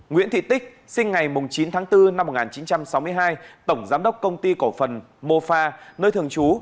nguyễn thị tích sinh ngày chín tháng bốn năm một nghìn chín trăm sáu mươi hai tổng giám đốc công ty cổ phần mofa nơi thường trú